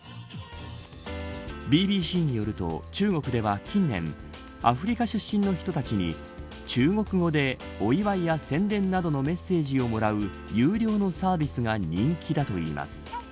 ＢＢＣによると、中国では近年アフリカ出身の人たちに中国語でお祝いや宣伝などのメッセージをもらう有料のサービスが人気だといいます。